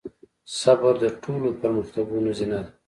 صبر د ټولو پرمختګونو زينه ده.